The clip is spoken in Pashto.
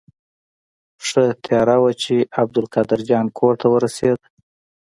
ښه تیاره وه چې عبدالقاهر جان کور ته ورسېدو.